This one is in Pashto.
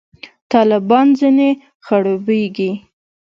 طالبان ځنې خړوبېږي.